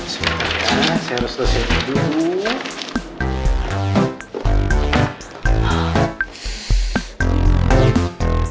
sebenernya saya harus dosen dulu